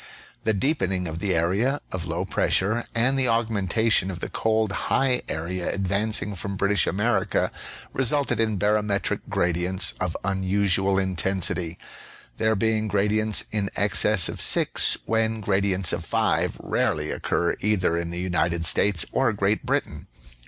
The deepening of the area of low pressure and the augmenta tion of the cold high area advancing from British America resulted in barometric gradients of unusual intensity; there be ing gradients in excess of 6, when gradients of 5 rarely occur either in the United States or Great Britain.